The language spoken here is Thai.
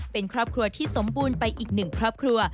เป็นครอบครัวที่สมบูรณ์ไปอีกหนึ่งครอบครัว